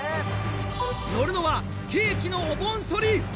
乗るのはケーキのお盆そり！